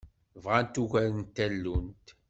Bɣant ugar n tallunt.